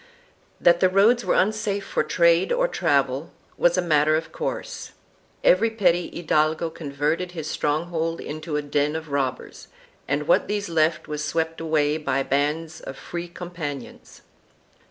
2 That the roads were unsafe for trade or travel was a matter of course; every petty hidalgo con verted his stronghold into a den of robbers, and what these left was swept away by bands of Free Companions.